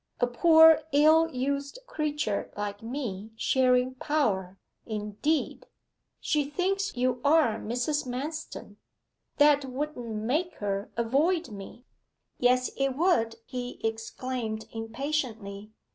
A poor, ill used creature like me sharing power, indeed!' 'She thinks you are Mrs. Manston.' 'That wouldn't make her avoid me.' 'Yes it would,' he exclaimed impatiently.